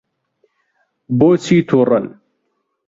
بۆچی تووڕەن؟